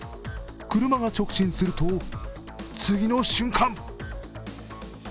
車が直進すると、次の瞬間。